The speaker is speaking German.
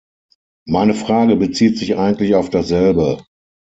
Meine Frage bezieht sich eigentlich auf dasselbe.